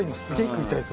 食いたい。